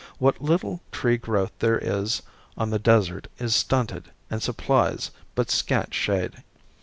What little tree growth there is on the desert is stunted and supplies but scant shade.